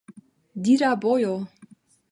Dira bojo!